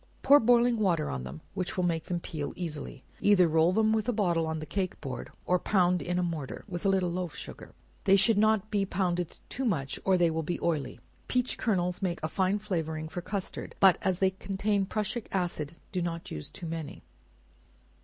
Pour boiling water on them, which will make them peel easily; either roll them with a bottle on the cake board or pound in a mortar, with a little loaf sugar; they should not be pounded too much or they will be oily; peach kernels make a fine flavoring for custard, but as they contain prussic acid, do not use too many.